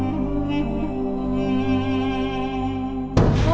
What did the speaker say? seseorang itu mihi matanya